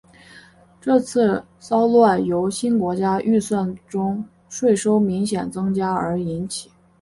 这次骚乱由新国家预算中税收明显增加而引起。